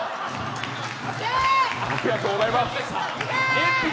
ありがとうございます！